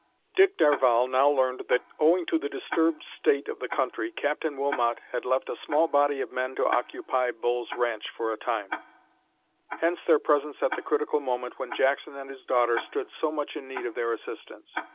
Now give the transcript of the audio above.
Dick Darvall now learned that, owing to the disturbed state of the country, Captain Wilmot had left a small body of men to occupy Bull's ranch for a time; hence their presence at the critical moment when Jackson and his daughter stood so much in need of their assistance.